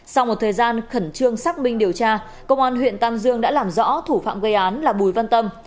sau một thời gian khẩn trương xác minh điều tra công an huyện tam dương đã làm rõ thủ phạm gây án là bùi văn tâm